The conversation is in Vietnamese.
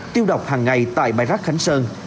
tiêu độc hàng ngày tại bãi rác khánh sơn